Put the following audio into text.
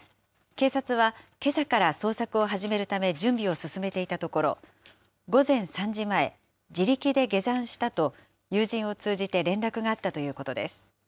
警察は、けさから捜索を始めるため準備を進めていたところ、午前３時前、自力で下山したと、友人を通じて連絡があったということです。